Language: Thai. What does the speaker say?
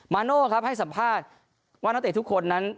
โน่ครับให้สัมภาษณ์ว่านักเตะทุกคนนั้น